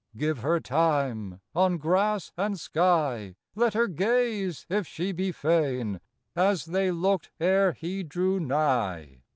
Give her time ; on grass and sky Let her gaze if she be fain, As they looked ere he drew nigh.